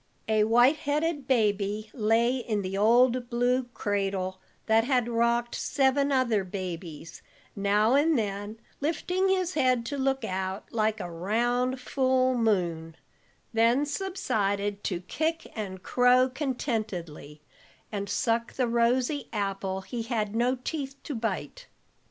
A white headed baby lay in the old blue cradle that had rocked seven other babies, now and then lifting his head to look out, like a round, full moon, then subsided to kick and crow contentedly, and suck the rosy apple he had no teeth to bite.